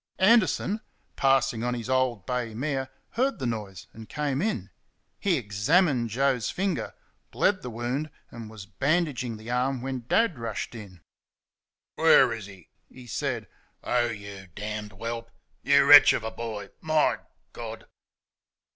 Anderson, passing on his old bay mare, heard the noise, and came in. He examined Joe's finger, bled the wound, and was bandaging the arm when Dad rushed in. "Where is he?" he said. "Oh, you d d whelp! You wretch of a boy! MY God!"